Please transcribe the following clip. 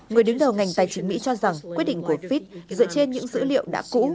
người đứng đầu ngành tài chính mỹ cho rằng quyết định của fit dựa trên những dữ liệu đã cũ